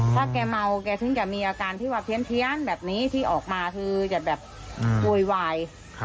ถ้าแกเมาแกถึงจะมีอาการที่ว่าเพี้ยนแบบนี้ที่ออกมาคือจะแบบโวยวาย